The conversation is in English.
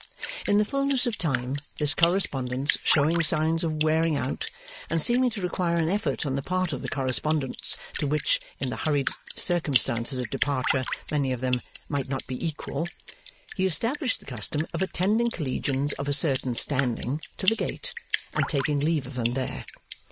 In the fulness of time, this correspondence showing signs of wearing out, and seeming to require an effort on the part of the correspondents to which in the hurried circumstances of departure many of them might not be equal, he established the custom of attending collegians of a certain standing, to the gate, and taking leave of them there.